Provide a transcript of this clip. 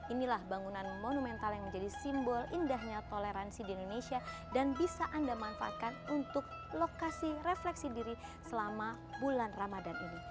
inilah bangunan monumental yang menjadi simbol indahnya toleransi di indonesia dan bisa anda manfaatkan untuk lokasi refleksi diri selama bulan ramadan ini